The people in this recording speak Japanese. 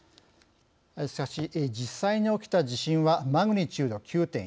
しかし、実際に起きた地震はマグニチュード９．１。